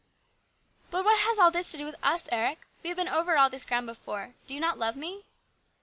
" But what has all this to do with us, Eric ? We have been over all this ground before. Do you not love me